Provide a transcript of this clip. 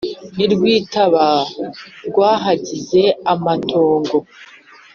n'i rwitaba rwahagize amatongo.